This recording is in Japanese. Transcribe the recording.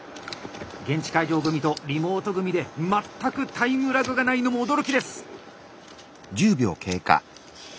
現地会場組とリモート組で全くタイムラグがないのも驚きです。